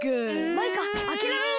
マイカあきらめるな！